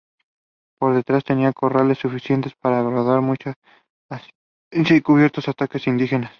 Por detrás tenía corrales suficientes para guardar mucha hacienda, a cubierto de ataques indígenas.